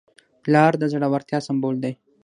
پلار د زړورتیا سمبول دی.